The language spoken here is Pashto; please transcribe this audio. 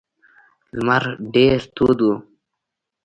لمر ډیر تود و.